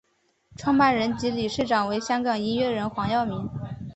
创办人及理事长为香港音乐人黄耀明。